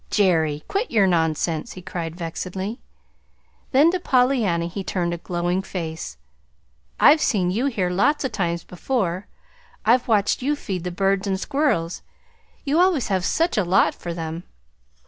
"Jerry, quit your nonsense!" he cried vexedly. Then to Pollyanna he turned a glowing face. "I've seen you here lots of times before. I've watched you feed the birds and squirrels you always have such a lot for them!